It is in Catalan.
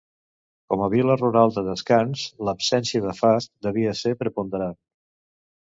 Com a vil·la rural de descans, l'absència de fast devia ser preponderant.